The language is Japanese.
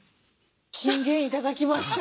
金言頂きました。